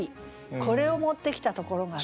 これを持ってきたところがね。